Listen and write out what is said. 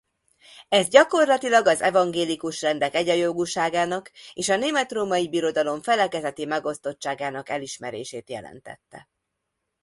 Ez gyakorlatilag az evangélikus rendek egyenjogúságának és a Német-római Birodalom felekezeti megosztottságának elismerését jelentette.